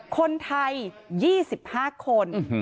คนไทย๒๕คน